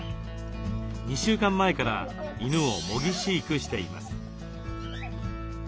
２週間前から犬を模擬飼育しています。